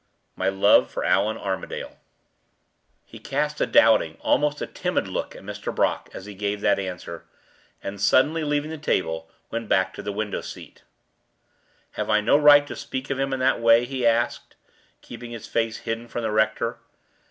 "My love for Allan Armadale." He cast a doubting, almost a timid look at Mr. Brock as he gave that answer, and, suddenly leaving the table, went back to the window seat. "Have I no right to speak of him in that way?" he asked, keeping his face hidden from the rector.